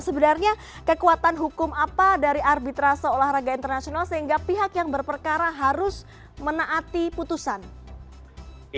sebenarnya kekuatan hukum apa dari arbitrase olahraga internasional sehingga pihak yang berperkara harus menaati putusan